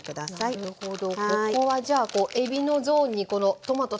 なるほど。